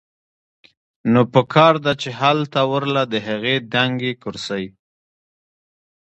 نو پکار ده چې هلته ورله د هغې دنګې کرسۍ